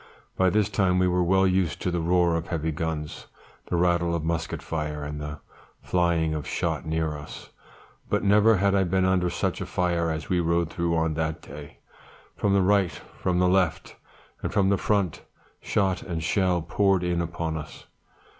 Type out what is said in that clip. By this time we were well used to the roar of heavy guns, the rattle of musket fire, and the flying of shot near us; but never had I been under such a fire as we rode through on that day. From the right, from the left, and from the front, shot and shell poured in upon us.